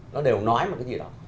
nó đều nói một cái gì đó